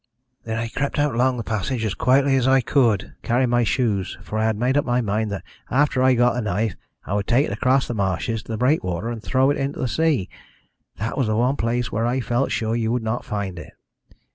"Then I crept out along the passage as quietly as I could, carrying my shoes, for I had made up my mind that after I got the knife I would take it across the marshes to the breakwater and throw it into the sea. That was the one place where I felt sure you would not find it.